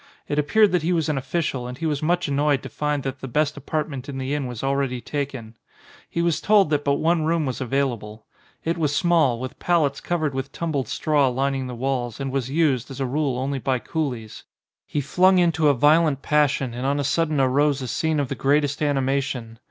It appeared that he was an official and he was much annoyed to find that the best apartment in the inn was already taken. He was told that but one room was available. It was small, with pallets covered with tumbled straw lin ing the walls, and was used as a rule only by 140 ' DEMOCRACY coolies. He flung into a violent passion and on a sudden arose a scene of the greatest animation.